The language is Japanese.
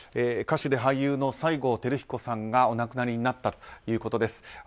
歌手で俳優の西郷輝彦さんがお亡くなりになったということです。